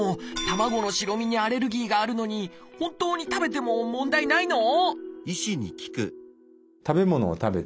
卵の白身にアレルギーがあるのに本当に食べても問題ないの？